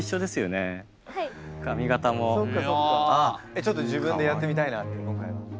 ちょっと自分でやってみたいなって今回は？